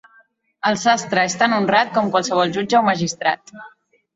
El sastre és tan honrat com qualsevol jutge o magistrat.